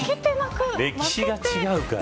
歴史が違うから。